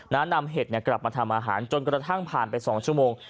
นำเห็ดเนี่ยกลับมาทำอาหารจนกระทั่งผ่านไป๒ชั่วโมง